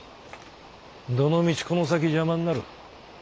どのみちこの先邪魔になる。